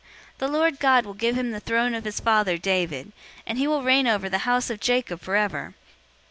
The Lord God will give him the throne of his father, David, 001:033 and he will reign over the house of Jacob forever.